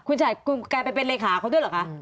คุณฉันแกไปเป็นเลขาเขาด้วยหรือคะ